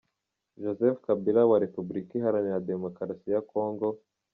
Joseph Kabila wa Repubulika iharanira Demokarasi ya Congo